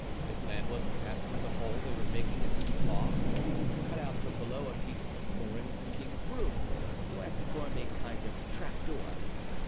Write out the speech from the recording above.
Their plan was to pass through the hole they were making into this loft and cut out from below a piece of the flooring of the king's room, so as to form a kind of trap door.